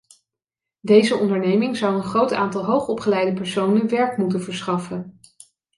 Deze onderneming zou een groot aantal hoog opgeleide personen werk moeten verschaffen.